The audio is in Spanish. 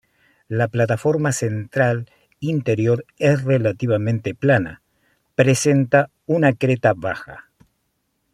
La plataforma central interior es relativamente plana, presenta una cresta baja.